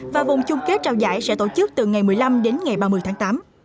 và vòng chung kết trao giải sẽ tổ chức từ ngày một mươi năm đến ngày ba mươi tháng tám